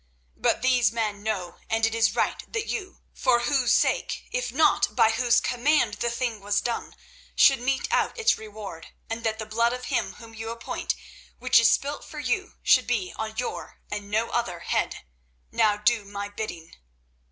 But these men know, and it is right that you, for whose sake if not by whose command the thing was done, should mete out its reward, and that the blood of him whom you appoint, which is spilt for you, should be on your and no other head. Now do my bidding."